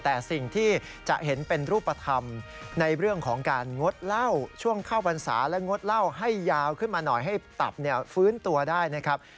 แต่สิ่งที่จะเห็นเป็นรูปธรรมในเรื่องของการงดเหล้าช่วงเข้าพรรษาและงดเหล้าให้ยาวขึ้นมาหน่อยให้ตับฟื้นตัวได้นะครับ